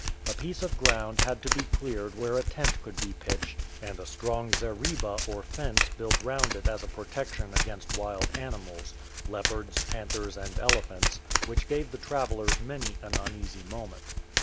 A piece of ground had to be cleared where a tent could be pitched, and a strong 176 "DON'T SHOOT; IT'S A MAN!" zareba or fence built round it as a protection against wild animals — leopards, panthers, and elephants — which gave the travellers many an uneasy moment.